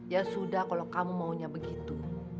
ya sudah kalau kamu maunya begitu